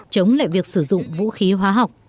chống lại việc sử dụng vũ khí hóa học